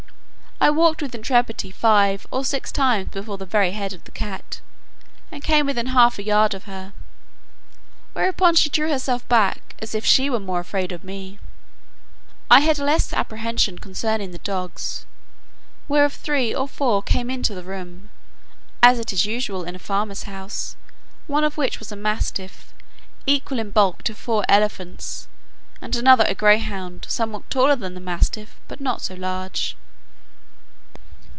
I walked with intrepidity five or six times before the very head of the cat, and came within half a yard of her; whereupon she drew herself back, as if she were more afraid of me: I had less apprehension concerning the dogs, whereof three or four came into the room, as it is usual in farmers' houses; one of which was a mastiff, equal in bulk to four elephants, and another a greyhound, somewhat taller than the mastiff, but not so large.